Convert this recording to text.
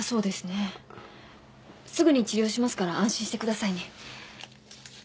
すぐに治療しますから安心してくださいね。